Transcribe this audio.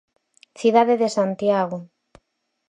Cidade de Santiago.